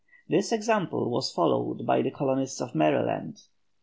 This example was followed by the colonists of Maryland.